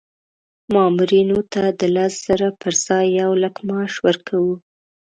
مامورینو ته د لس زره پر ځای یو لک معاش ورکوو.